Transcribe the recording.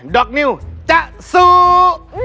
อกนิวจะสู้